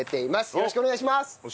よろしくお願いします。